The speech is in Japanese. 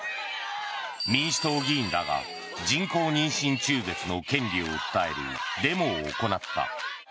民主党議員らが人工妊娠中絶の権利を訴えるデモを行った。